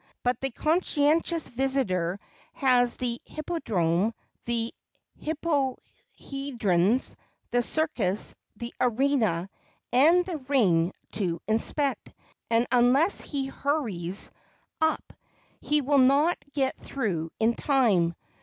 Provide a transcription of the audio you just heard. But the conscientious visitor has the hippodrome, the hippotheatron, the circus, the arena and the ring to inspect, and unless he hurries up, he will not get through in time.